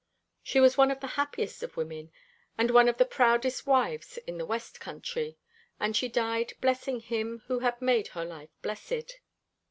She was one of the happiest of women, and one of the proudest wives in the west country; and she died blessing him who had made her life blessed.